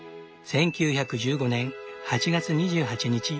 １９１５年８月２８日